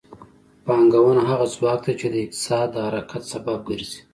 پانګونه هغه ځواک دی چې د اقتصاد د حرکت سبب ګرځي.